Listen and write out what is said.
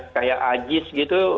kayak ajis gitu